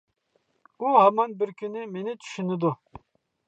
ئۇ ھامان بىر كۈنى مېنى چۈشىنىدۇ.